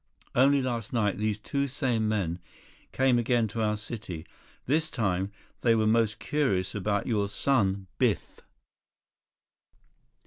Only last night these same two men came again to our city. This time, they were most curious about your son, Biff."